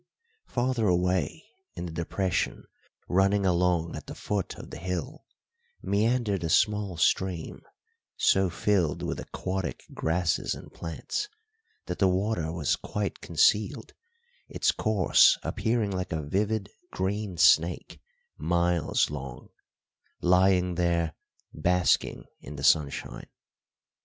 Farther away, in the depression running along at the foot of the hill, meandered a small stream so filled with aquatic grasses and plants that the water was quite concealed, its course appearing like a vivid green snake, miles long, lying there basking in the sunshine.